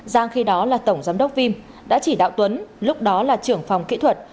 giang khi đó là tổng giám đốc vim đã chỉ đạo tuấn lúc đó là trưởng phòng kỹ thuật